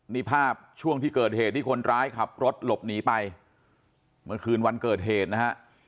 นี่ภาพช่วงที่เกิดเหตุที่คนร้ายขับรถหลบหนีไปเมื่อคืนวันเกิดเหตุนะฮะ